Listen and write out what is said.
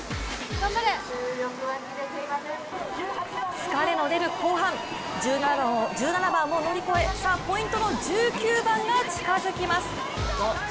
疲れの出る後半、１７番を乗り越え、さあポイントの１９番が近づきます。